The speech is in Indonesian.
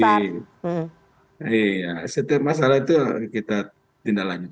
iya setiap masalah itu kita tindak lanjut